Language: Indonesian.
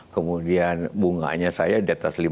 kemudian bunganya saya di atas lima puluh